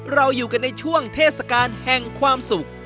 เราอยู่กันในช่วงเทศกาลแห่งความสุข